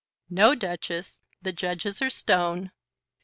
"No, Duchess. The judges are stone."